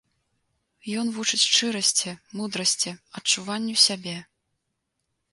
Ён вучыць шчырасці, мудрасці, адчуванню сябе.